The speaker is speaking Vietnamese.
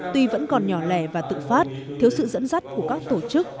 tuy vẫn còn nhỏ lẻ và tự phát thiếu sự dẫn dắt của các tổ chức